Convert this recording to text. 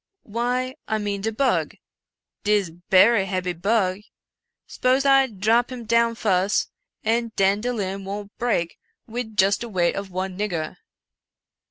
"" Why, I mean de bug. 'Tis berry hebby bug. Spose I drop him down fuss, an den de limb won't break wid just de weight of one nigger."